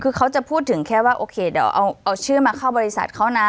คือเขาจะพูดถึงแค่ว่าโอเคเดี๋ยวเอาชื่อมาเข้าบริษัทเขานะ